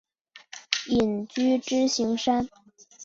隐居支硎山。